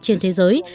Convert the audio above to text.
trên thế giới